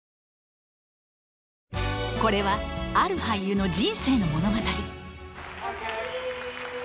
これはある俳優の人生の物語